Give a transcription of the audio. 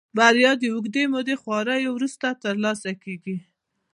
بريا د اوږدې مودې خواريو وروسته ترلاسه کېږي.